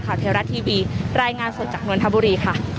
เทวรัฐทีวีรายงานสดจากนวลธบุรีค่ะ